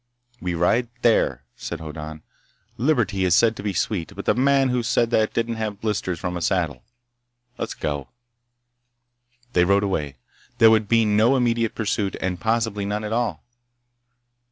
"We ride there," said Hoddan. "Liberty is said to be sweet, but the man who said that didn't have blisters from a saddle. Let's go." They rode away. There would be no immediate pursuit, and possibly none at all.